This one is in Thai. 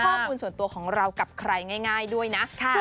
อะไรที่เป็นข้อมูลส่วนตัวของเรากับใครง่ายด้วยนะค่ะ